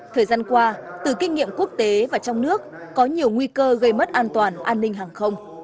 thời gian qua từ kinh nghiệm quốc tế và trong nước có nhiều nguy cơ gây mất an toàn an ninh hàng không